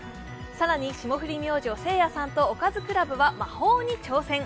更に、霜降り明星せいやさんとおかずクラブは魔法に挑戦。